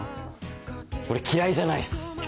俺嫌いじゃないっす。